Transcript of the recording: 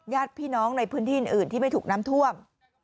ญาติพี่น้องในพื้นที่อื่นที่ไม่ถูกน้ำท่วม